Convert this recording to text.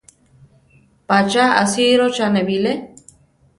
¿Pa cha asírochane bilé?